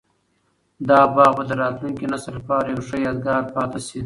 دا باغ به د راتلونکي نسل لپاره یو ښه یادګار پاتي شي.